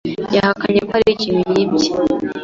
Yahakanye ko hari ikintu yibye.